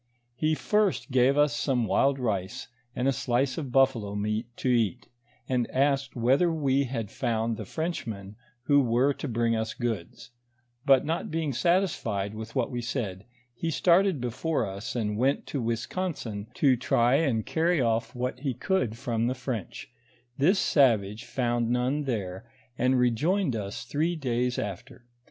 He first gave us some wild rice, and a slice of buffalo meat to eat, and asked whether we had found the Frenchmen who were to bring us goods ; but not being satisfied with what we said, he started before us, and went to Ouisconsin to try and carry off what he could from the French ; this savage found none there, and rejoined us three days after.